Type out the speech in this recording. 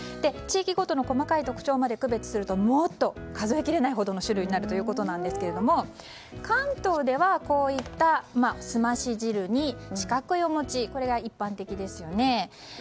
地域ごとの細かい特徴まで区別するともっと数えきれないほどの種類になるということですが関東ではこういったすまし汁に四角いお餅がこれが一般的ですよね。